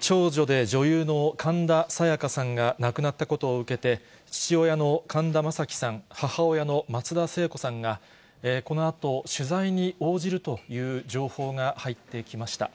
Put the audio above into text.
長女で女優の神田沙也加さんが亡くなったことを受けて、父親の神田正輝さん、母親の松田聖子さんが、このあと取材に応じるという情報が入ってきました。